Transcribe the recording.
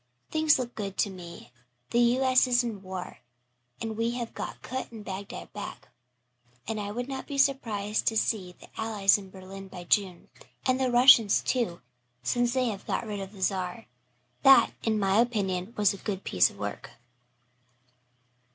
Things look good to me. The U. S. is in the war, and we have got Kut and Bagdad back and I would not be surprised to see the Allies in Berlin by June and the Russians, too, since they have got rid of the Czar. That, in my opinion was a good piece of work."